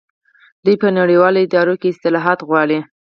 دوی په نړیوالو ادارو کې اصلاحات غواړي.